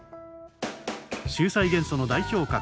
秀才元素の代表格